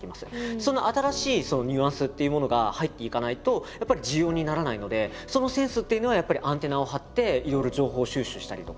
その新しいニュアンスっていうものが入っていかないとやっぱり需要にならないのでそのセンスっていうのはやっぱりアンテナを張っていろいろ情報収集したりとか。